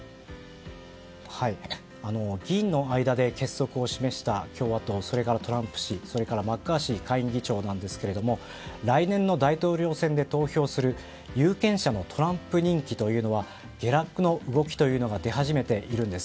議員の間で結束を示した共和党、それからトランプ氏マッカーシー下院議長ですが来年の大統領選で投票する有権者のトランプ人気は下落の動きが出始めているんです。